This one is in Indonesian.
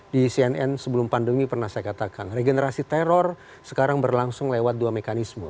di cnn sebelum pandemi pernah saya katakan regenerasi teror sekarang berlangsung lewat dua mekanisme